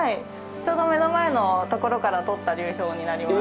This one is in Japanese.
ちょうど目の前のところから取った流氷になります。